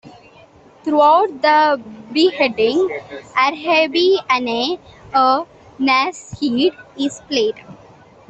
Throughout the beheading, "Erhaby Ana", a nasheed, is played.